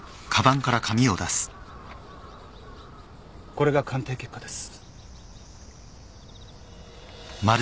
これが鑑定結果です。